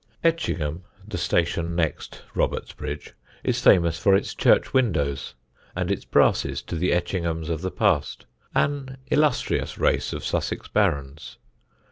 _] Etchingham, the station next Robertsbridge, is famous for its church windows, and its brasses to the Etchinghams of the past, an illustrious race of Sussex barons.